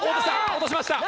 落としました！